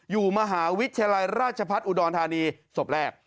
อยู่มหาวิทยาลัยราชพัฒน์อุดรธานีศพแรก